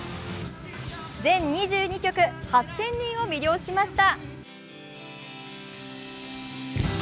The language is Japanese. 全２２曲、８０００人を魅了しました。